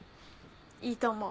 いいと思う。